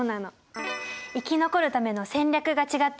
生き残るための戦略が違っていたんだよね。